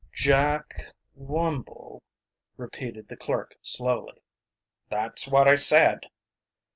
"Jack Wumble," repeated the clerk slowly. "That's what I said."